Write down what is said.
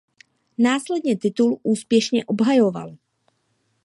Následně titul úspěšně obhajoval.